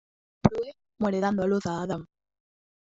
Prue muere dando a luz a Adam.